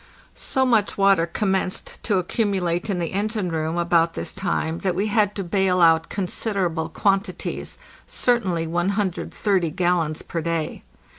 So much water commenced to accumulate in the engine room about this time that we had to bale out considerable quantities —certainly i30 gallons per day.